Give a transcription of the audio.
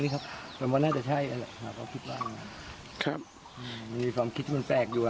มีความคิดจะมันแปลกอยู่